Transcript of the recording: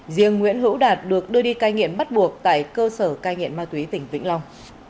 riêng nguyễn hữu đạt được đưa đi cai nghiện bắt buộc tại cơ sở cai nghiện ma túy tỉnh vĩnh long